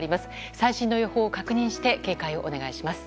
最新の予報を確認して警戒をお願いします。